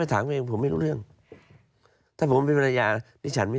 ถ้าพูดผมที่ภรรยา